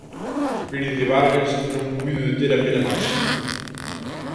Pérez de Vargas non puido deter a pena máxima.